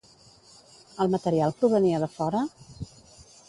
El material provenia de fora?